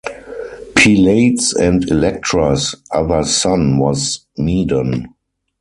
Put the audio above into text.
Pylades and Electra's other son was Medon.